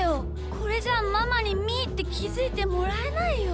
これじゃママにみーってきづいてもらえないよ。